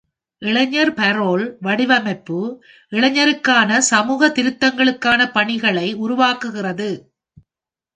இளைஞர் பரோல் வலையமைப்பு இளைஞருக்கான சமூக திருத்தங்களுக்கான பணிகளை உருவாக்குகிறது.